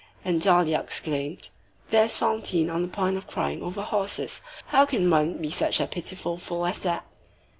And Dahlia exclaimed:— "There is Fantine on the point of crying over horses. How can one be such a pitiful fool as that!"